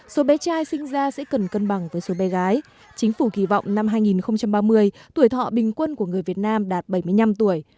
số bé trai sinh ra sẽ cần cân bằng với số bé gái chính phủ kỳ vọng năm hai nghìn ba mươi tuổi thọ bình quân của người việt nam đạt bảy mươi năm tuổi